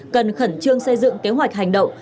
cần khẩn trương xây dựng kế hoạch hành động